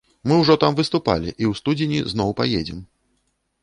Мы ўжо там выступалі, і ў студзені зноў паедзем.